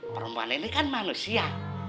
perempuan ini kan manusia